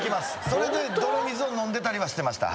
それで泥水をのんでたりしました。